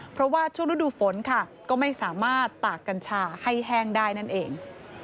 เพราะว่าช่วงฤดูฝนค่ะก็ไม่สามารถตากกัญชาให้แห้งได้นั่นเอง